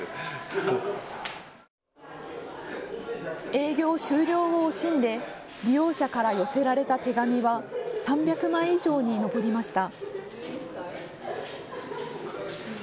営業終了を惜しんで利用者から寄せられた手紙は３００枚以上に上りました。